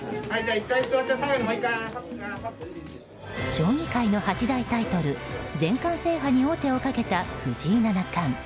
将棋界の八大タイトル全冠制覇に王手をかけた藤井七冠。